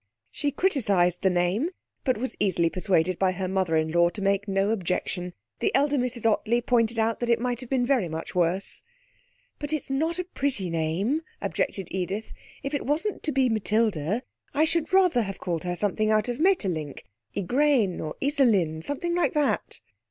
She criticised the name, but was easily persuaded by her mother in law to make no objection. The elder Mrs Ottley pointed out that it might have been very much worse. 'But it's not a pretty name,' objected Edith. 'If it wasn't to be Matilda, I should rather have called her something out of Maeterlinck Ygraine, or Ysolyn something like that.'